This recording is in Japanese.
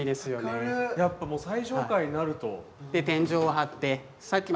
やっぱもう最上階になると。